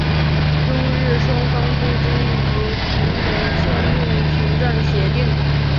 中日双方最终于同年签订停战协定。